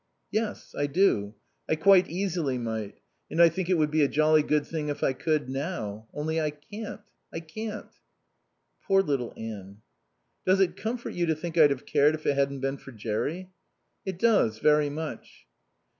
"Yes. I do. I quite easily might. And I think it would be a jolly good thing if I could, now. Only I can't. I can't." "Poor little Anne." "Does it comfort you to think I'd have cared if it hadn't been for Jerry?" "It does, very much."